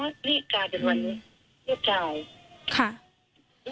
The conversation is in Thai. เรียบร้อยหนี้ร้านเปเป็นเหรอเรียบร้อย